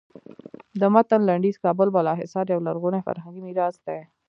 د متن لنډیز کابل بالا حصار یو لرغونی فرهنګي میراث دی.